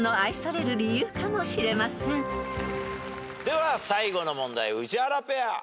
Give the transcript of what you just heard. では最後の問題宇治原ペア。